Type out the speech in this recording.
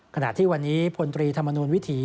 ขณะที่วันนี้พลตรีธรรมนูลวิถี